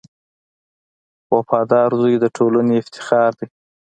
• وفادار زوی د ټولنې افتخار دی.